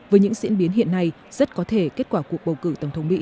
với những diễn biến hiện nay rất có thể kết quả cuộc bầu cử tổng thống mỹ